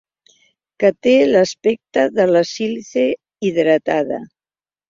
Que té l'aspecte de la sílice hidratada.